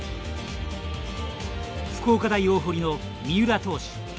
福岡大大濠の三浦投手。